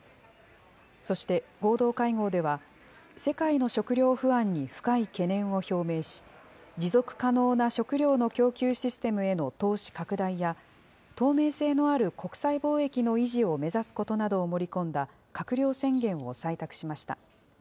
そして、合同会合では、世界の食料不安に深い懸念を表明し、持続可能な食料の供給システムへの投資拡大や、透明性のある国際貿易の維持を目指すことなどを盛り込んだ閣僚宣言を採択しました。